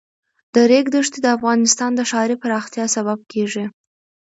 د ریګ دښتې د افغانستان د ښاري پراختیا سبب کېږي.